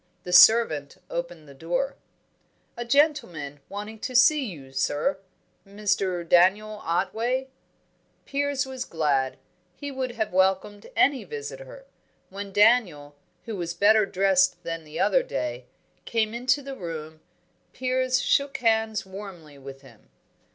The servant opened the door. "A gentleman wanting to see you, sir Mr. Daniel Otway." Piers was glad. He would have welcomed any visitor. When Daniel who was better dressed than the other day came into the room, Piers shook hands warmly with him.